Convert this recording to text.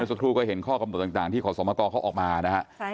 สักครู่ก็เห็นข้อกำหนดต่างที่ขอสมกรเขาออกมานะฮะ